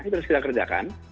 itu harus kita kerjakan